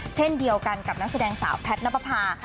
เช่นเดียวกันกับนักแสดงสาวแพทน์ณปภา